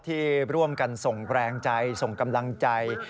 ที่ร่วมกันส่งแรงใจส่งกำลังใจ